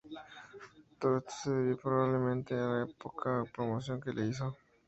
Todo esto se debió, probablemente, a la poca promoción que se le hizo.